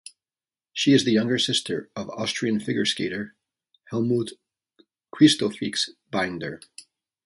She is the younger sister of Austrian figure skater Helmut Kristofics-Binder.